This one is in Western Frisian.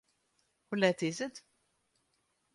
Hoe let is it?